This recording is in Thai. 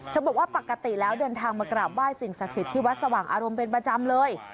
บอกว่าปกติแล้วเดินทางมากราบไห้สิ่งศักดิ์สิทธิ์ที่วัดสว่างอารมณ์เป็นประจำเลย